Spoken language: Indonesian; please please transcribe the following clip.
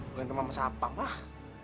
gue ngetemen sama sapa mah